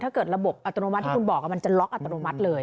ระบบอัตโนมัติที่คุณบอกมันจะล็อกอัตโนมัติเลย